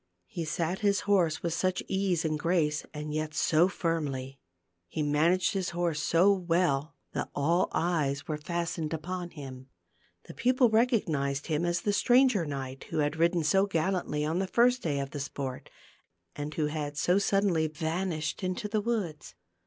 He sat his horse with such ease and grace, and yet so firmly ; he managed his horse so well, that all eyes were fastened upon him. The peo ple recognized him as the stranger knight who had ridden so gallantly on the first day of the sport, and who had so suddenly vanished into the woods.